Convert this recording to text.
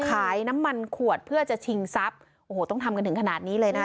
ขายน้ำมันขวดเพื่อจะชิงทรัพย์โอ้โหต้องทำกันถึงขนาดนี้เลยนะคะ